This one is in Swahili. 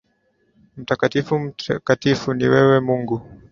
Mtakatifu mtakatifu, ni wewe Mungu